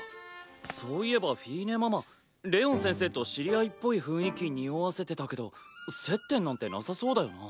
そういえばフィーネママレオン先生と知り合いっぽい雰囲気におわせてたけど接点なんてなさそうだよな？